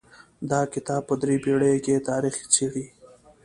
دا کتاب په درې پېړیو کې تاریخ څیړي.